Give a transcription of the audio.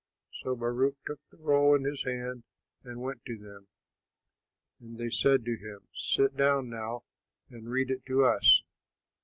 So Baruch took the roll in his hand and went to them. And they said to him, "Sit down now and read it to us."